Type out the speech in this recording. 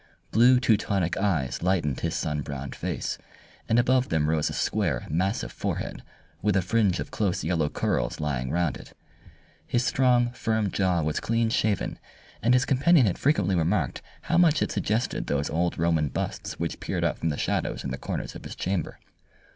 Blue Teutonic eyes lightened his sun browned face, and above them rose a square, massive forehead, with a fringe of close yellow curls lying round it. His strong, firm jaw was clean shaven, and his companion had frequently remarked how much it suggested those old Roman busts which peered out from the shadows in the corners of his chamber.